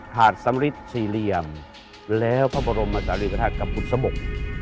หาดสำริทสี่เหลี่ยมแล้วพระบรมศาลีกฐาตุกับบุษบก